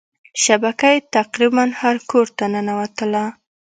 شبکه یې تقريبا هر کورته ننوتله.